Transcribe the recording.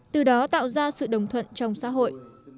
từ đó tạo ra sự đồng thuận trong xã hội